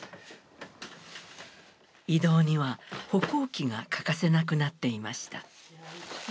移動には歩行器が欠かせなくなっていました。